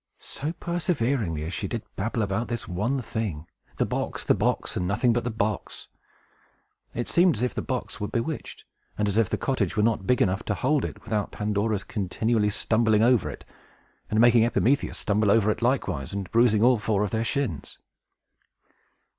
So perseveringly as she did babble about this one thing! The box, the box, and nothing but the box! It seemed as if the box were bewitched, and as if the cottage were not big enough to hold it, without Pandora's continually stumbling over it, and making Epimetheus stumble over it likewise, and bruising all four of their shins.